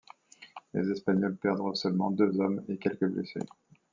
Les espagnols perdent seulement deux hommes et quelques blessés.